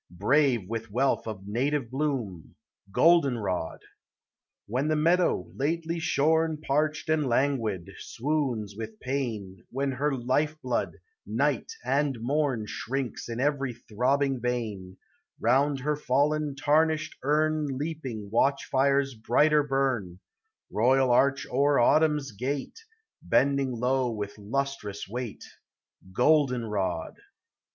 Brave with wealth of native bloom, — Goldenrod ! When the meadow, lately shorn, Parched and languid, swoons with pain, When her life blood, night and morn, Shrinks in every throbbing vein, Round her fallen, tarnished urn Leaping watch fires brighter burn; Royal arch o'er Autumn's gate, Bending low with lustrous weight, — Goldenrod